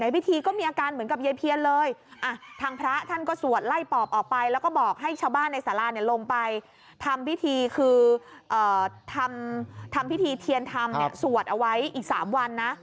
พิธีเทียนธรรมสวดเอาไว้อีก๓วันนะ